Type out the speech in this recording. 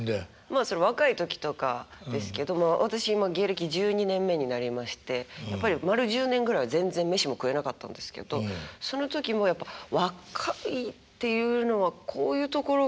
まあその若い時とかですけど。私今芸歴１２年目になりましてやっぱり丸１０年ぐらい全然飯も食えなかったんですけどその時もやっぱ若いっていうのはこういうところが無邪気だなっていうことなのかもしれないんですけど